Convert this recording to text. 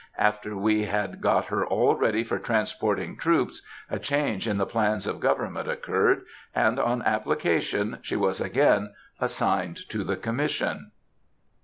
After we had got her all ready for transporting troops, a change in the plans of government occurred, and on application she was again assigned to the Commission."